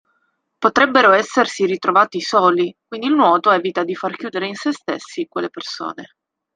Potrebbero essersi ritrovati soli, quindi il nuoto evita di far chiudere in sé stessi quelle persone.